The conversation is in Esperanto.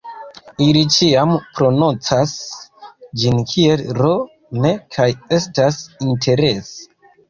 Ili ĉiam prononcas ĝin kiel ro-n kaj estas interese